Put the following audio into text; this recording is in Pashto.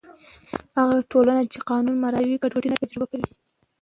هغه ټولنه چې قانون مراعتوي، ګډوډي نه تجربه کوي.